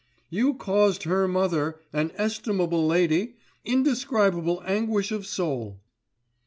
"You caused her mother—an estimable lady—indescribable anguish of soul."